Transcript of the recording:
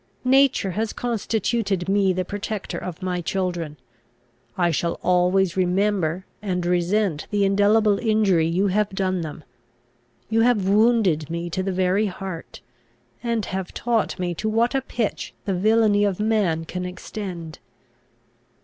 Nature has constituted me the protector of my children. I shall always remember and resent the indelible injury you have done them. You have wounded me to the very heart, and have taught me to what a pitch the villainy of man can extend."